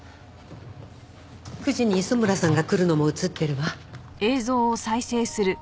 ９時に磯村さんが来るのも映ってるわ。